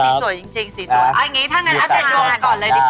อ้าวอย่างงี้ถ้างั้นอาจารย์ดูก่อนเลยดีกว่าค่ะ